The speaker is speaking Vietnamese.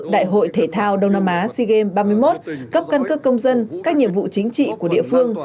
đại hội thể thao đông nam á sea games ba mươi một cấp căn cước công dân các nhiệm vụ chính trị của địa phương